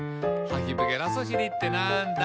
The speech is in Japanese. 「ハヒブゲラソシリってなんだ？」